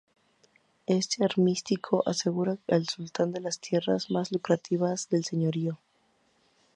Este armisticio aseguro al sultán las tierras más lucrativas en el señorío.